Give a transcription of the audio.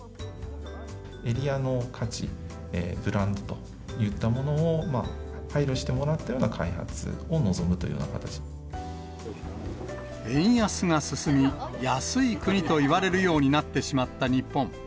エリアの価値、ブランドといったものを配慮してもらったような開発を望むという円安が進み、安い国といわれるようになってしまった日本。